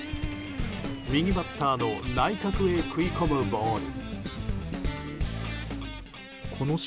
右バッターの内角へ食い込むボール。